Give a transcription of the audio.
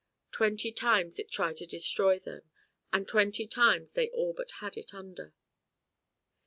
Twenty times it tried to destroy them and twenty times they all but had it under.